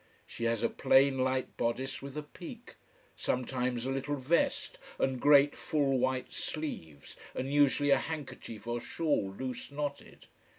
She has a plain, light bodice with a peak: sometimes a little vest, and great full white sleeves, and usually a handkerchief or shawl loose knotted.